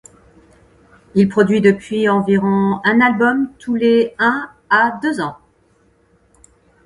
Il produit depuis environ un album tous les un à deux ans.